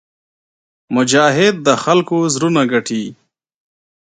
مجاهد د خلکو زړونه ګټي.